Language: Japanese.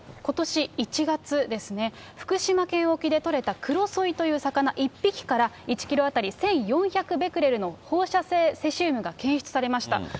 ことし１月ですね、福島県沖で取れたクロソイという魚、１匹から１キロ当たり１４００ベクレルの放射性セシウムが検出されました。